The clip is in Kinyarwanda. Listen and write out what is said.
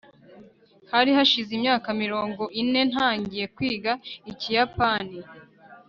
hari hashize imyaka mirongo ine ntangiye kwiga ikiyapani